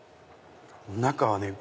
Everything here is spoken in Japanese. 中はね